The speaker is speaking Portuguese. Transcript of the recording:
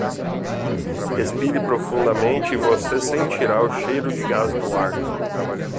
Respire profundamente e você sentirá o cheiro de gás no ar.